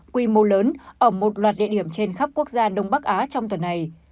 quy mô lớn ở một loạt địa điểm trên khắp quốc gia đông bắc á trong tuần này